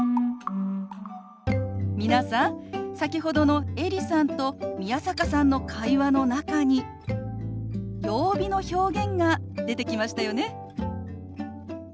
皆さん先ほどのエリさんと宮坂さんの会話の中に曜日の表現が出てきましたよね。